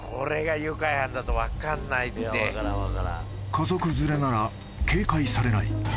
［家族連れなら警戒されない］